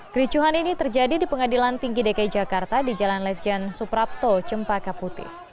kericuhan ini terjadi di pengadilan tinggi dki jakarta di jalan lejen suprapto cempaka putih